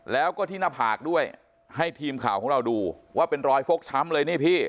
แล้วก็ที่หน้าผากด้วยให้ทีมข่าวของเราดูว่าเป็นรอยฟกช้ำเลยนี่พี่